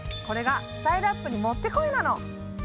これがスタイルアップにもってこいなの！